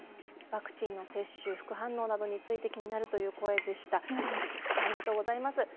ワクチンの接種副反応について気になるという声でした。